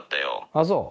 ああそう。